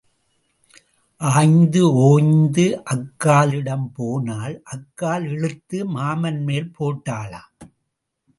ஆய்ந்து ஓய்ந்து அக்காளிடம் போனால் அக்காள் இழுத்து மாமன்மேல் போட்டாளாம்.